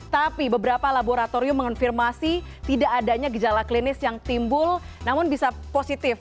tapi beberapa laboratorium mengonfirmasi tidak adanya gejala klinis yang timbul namun bisa positif